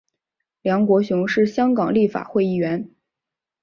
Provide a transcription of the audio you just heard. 梁国雄是香港立法会议员。